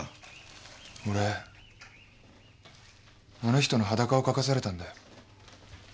俺あの人の裸を描かされたんだよ。